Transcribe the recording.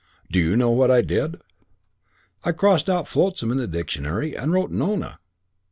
Do you know what I did? I crossed out flotsam in the dictionary and wrote Nona.